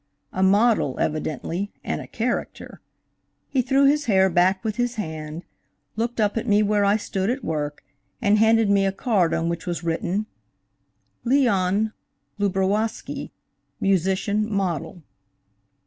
A model, evidently, and a character! He threw his hair back with his hand, looked up at me where I stood at work, and handed me a card on which was written "Leon Lubrowoski," musician–model.